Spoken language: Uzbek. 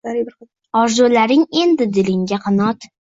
Orzularing endi dilingga qanot.